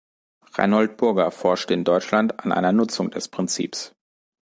Reinhold Burger forschte in Deutschland an einer Nutzung des Prinzips.